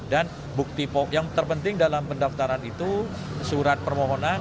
dan bukti pokok yang terpenting dalam pendaftaran itu surat permohonan